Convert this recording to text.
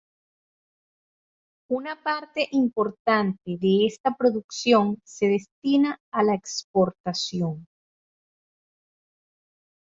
Una parte importante de esta producción se destina a la exportación.